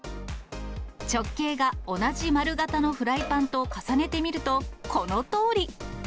直径が同じ円形のフライパンと重ねてみると、このとおり。